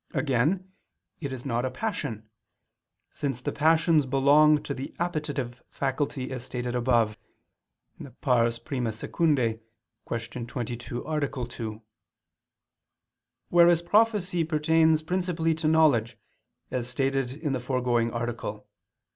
Again it is not a passion, since the passions belong to the appetitive faculty, as stated above (I II, Q. 22, A. 2); whereas prophecy pertains principally to knowledge, as stated in the foregoing Article.